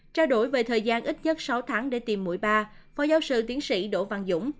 trao đổi về thời gian ít nhất sáu tháng để tìm mũi ba phó giáo sư tiến sĩ đỗ văn dũng